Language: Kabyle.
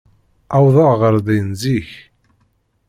Uwḍeɣ ɣer din zik.